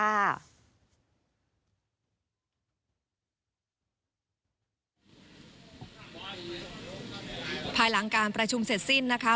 ภายหลังการประชุมเสร็จสิ้นนะคะ